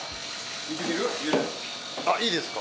いいですか？